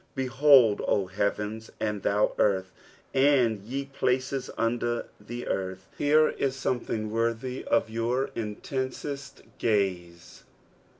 Behold, O heavens, and thou earth, and ;e places under the earth ! Here is someCbing northj of jour intensest gaze.